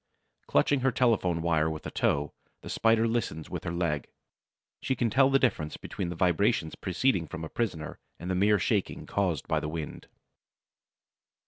Clutching her telephone wire with a toe, the Spider listens with her leg; she can tell the difference between the vibration proceeding from a prisoner and the mere shaking caused by the wind.